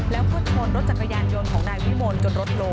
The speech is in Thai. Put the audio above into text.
แล้วพ่นโทนรถจักรยานยนต์ของนายวิมนต์จนรถโล